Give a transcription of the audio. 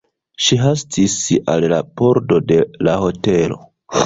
Ŝi hastis al la pordo de la hotelo.